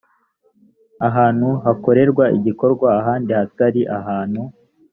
hantu hakorerwa igikorwa handi hatari ahantu